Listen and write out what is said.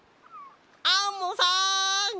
アンモさん！